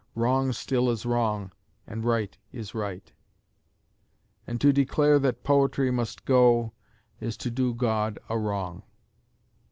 Wrong still is wrong, and right is right, And to declare that poetry must go, Is to do God a wrong.